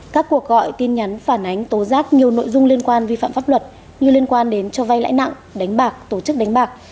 các cuộc gọi tin nhắn phản ánh tố giác nhiều nội dung liên quan vi phạm pháp luật như liên quan đến cho vay lãi nặng đánh bạc tổ chức đánh bạc